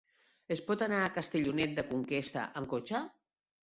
Es pot anar a Castellonet de la Conquesta amb cotxe?